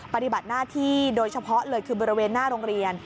ปฏิบัติหน้าที่โดยเฉพาะเลยคือบริเวณหน้าโรงเรียน